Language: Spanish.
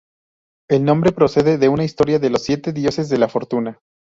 El nombre procede de una historia de los Siete Dioses de la Fortuna.